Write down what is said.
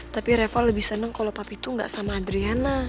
tapi reva lebih seneng kalau papi tuh gak sama adriana